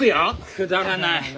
くだらない。